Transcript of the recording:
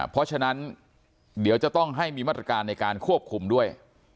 เพราะฉะนั้นเดี๋ยวจะต้องให้มีมาตรการในการควบคุมด้วย